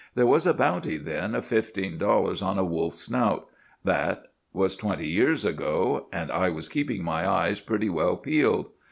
There was a bounty then of fifteen dollars on a wolf's snout,—that was twenty years ago,—and I was keeping my eyes pretty well peeled.